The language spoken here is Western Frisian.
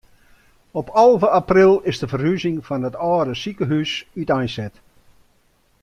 Op alve april is de ferhuzing fan it âlde sikehús úteinset.